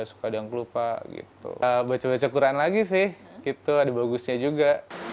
suka ada yang kelupa gitu baca baca quran lagi sih gitu ada bagusnya juga